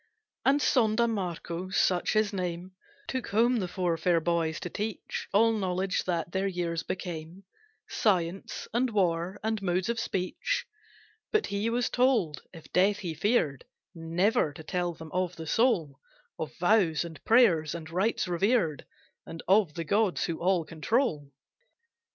And Sonda Marco, such his name, Took home the four fair boys to teach All knowledge that their years became, Science, and war, and modes of speech, But he was told, if death he feared, Never to tell them of the soul, Of vows, and prayers, and rites revered, And of the gods who all control.